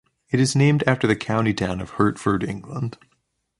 It is named after the county town of Hertford, England.